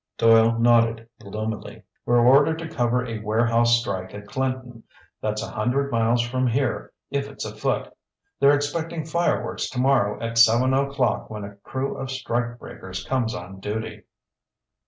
Doyle nodded gloomily. "We're ordered to cover a warehouse strike at Clinton. That's a hundred miles from here if it's a foot. They're expecting fireworks tomorrow at seven o'clock when a crew of strike breakers comes on duty."